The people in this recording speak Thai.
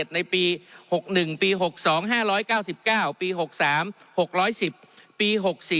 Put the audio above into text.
ในปี๖๑ปี๖๒๕๙๙ปี๖๓๖๑๐ปี๖๔